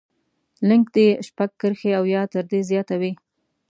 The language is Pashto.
لیکنه دې شپږ کرښې او یا تر دې زیاته وي.